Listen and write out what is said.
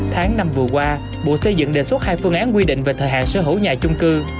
tháng năm vừa qua bộ xây dựng đề xuất hai phương án quy định về thời hạn sở hữu nhà chung cư